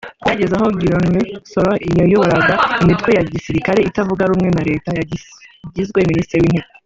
Byageze aho Guillume Soro wayoboraga imitwe ya gisirikare itavuga rumwe na leta yagizwe minisitiri w’intebe